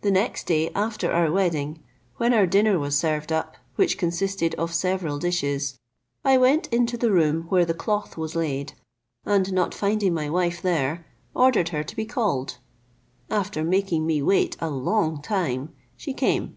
The next day after our wedding, when our dinner was served up, which consisted of several dishes, I went into the room where the cloth was ]aid, and not finding my wife there, ordered her to be called. After making me wait a long time, she came.